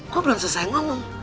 gue belum selesai ngomong